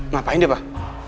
ngapain dia pak